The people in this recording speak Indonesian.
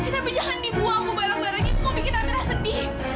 tapi jangan dibuang bu barang barang itu mau bikin amira sedih